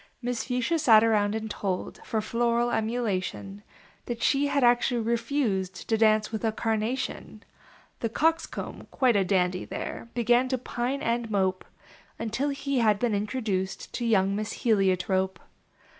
Miss Fuchsia sat around and told, For floral emulation, That she had actually refused To dance with A Carnation. The Coxcomb, quite a dandy there, Began to pine and mope, Until he had been introduced To young Miss Heliotrope.